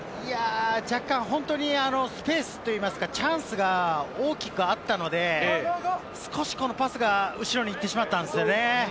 若干、本当にスペースといいますか、チャンスが大きくあったので、少しこのパスが後ろに行ってしまったんですよね。